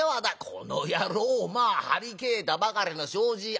この野郎まあ張り替えたばかりの障子穴開けやがって。